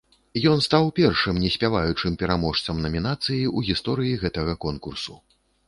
Ён стаў першым неспяваючым пераможцам намінацыі ў гісторыі гэтага конкурсу.